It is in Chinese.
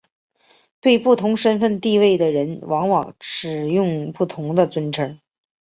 对不同身份地位的人往往使用不同的尊称。